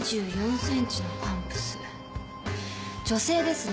女性ですね。